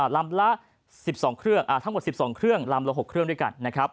ลำละ๑๒เครื่องทั้งหมด๑๒เครื่องลำละ๖เครื่องด้วยกันนะครับ